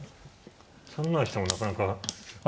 ３七飛車もなかなか。